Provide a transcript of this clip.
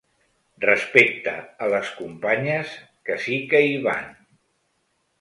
Respecte a les companyes que sí que hi van.